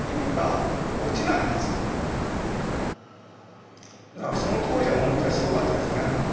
だからその当時は本当にすごかったですね。